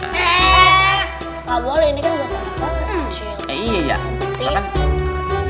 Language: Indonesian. gak boleh ini kan buat anak anak kecil